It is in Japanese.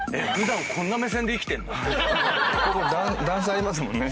ここ段差ありますもんね。